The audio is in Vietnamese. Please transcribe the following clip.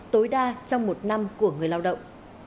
tối đa trong một năm của người lao động